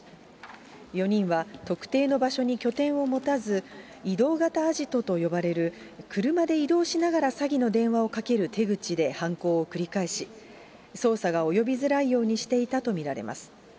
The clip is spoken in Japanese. ４人は、特定の場所に拠点を持たず、移動型アジトと呼ばれる車で移動しながら詐欺の電話をかける手口で犯行を繰り返し、捜査が及びづらいようにしていたと見られます。